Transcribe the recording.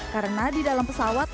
karena di dalam pesawat